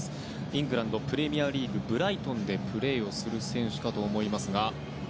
イングランド・プレミアリーグブライトンでプレーする選手かと思いますが。